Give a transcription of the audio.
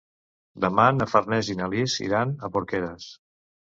Demà na Farners i na Lis iran a Porqueres.